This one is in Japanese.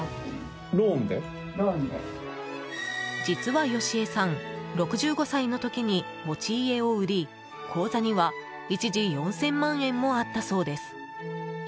実は、よしえさん６５歳の時に持ち家を売り口座には一時４０００万円もあったそうです。